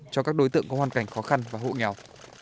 cho các đối tượng có hoàn cảnh khó khăn và hộ nghèo